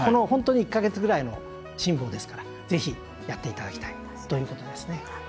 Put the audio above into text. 本当にこの１か月ぐらいの辛抱ですからぜひ、やっていただきたいということですね。